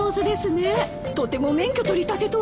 とても免許取りたてとは思えません。